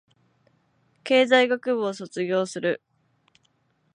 経済学部を卒業する